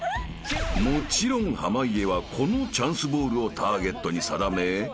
［もちろん濱家はこのチャンスボールをターゲットに定め］